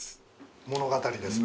物語ですね。